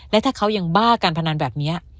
และถ้าเขายังบ้าการพนันแบบนี้